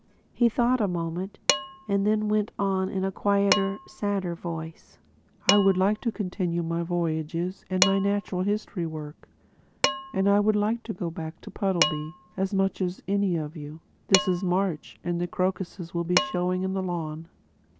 He thought a moment—then went on in a quieter, sadder voice: "I would like to continue my voyages and my natural history work; and I would like to go back to Puddleby—as much as any of you. This is March, and the crocuses will be showing in the lawn....